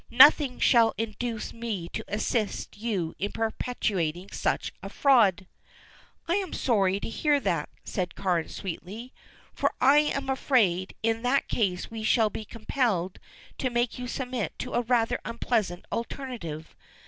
"Nothing shall induce me to assist you in perpetrating such a fraud." "I am sorry to hear that," said Carne sweetly, "for I am afraid in that case we shall be compelled to make you submit to a rather unpleasant alternative.